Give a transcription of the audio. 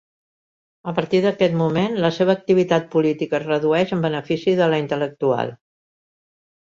A partir d'aquest moment la seva activitat política es reduïx en benefici de la intel·lectual.